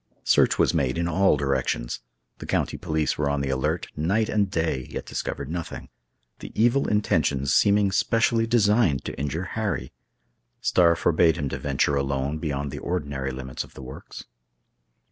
Search was made in all directions. The county police were on the alert night and day, yet discovered nothing. The evil intentions seeming specially designed to injure Harry. Starr forbade him to venture alone beyond the ordinary limits of the works.